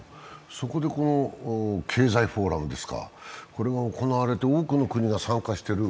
そこで経済フォーラムが行われて多くの国が参加している。